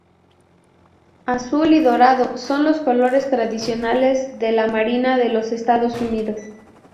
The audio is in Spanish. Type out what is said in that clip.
Azul y dorado son colores tradicionales de la Marina de los Estados Unidos.